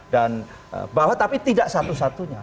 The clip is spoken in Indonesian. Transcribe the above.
dan bahwa tapi tidak satu satunya